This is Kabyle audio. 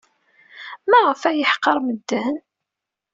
Maɣef ay yeḥqer medden?